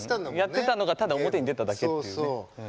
やってたのがただ表に出ただけというね。